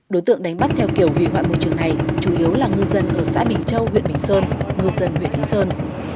đối tượng đánh bắt theo kiểu hủy hoại môi trường này chủ yếu là ngư dân ở xã bình châu huyện bình sơn ngư dân huyện lý sơn